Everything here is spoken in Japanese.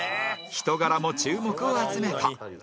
人柄も注目を集めた